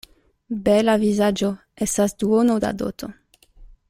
Bela vizaĝo estas duono da doto.